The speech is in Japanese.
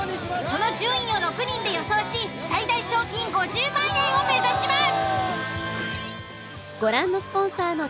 その順位を６人で予想し最大賞金５０万円を目指します。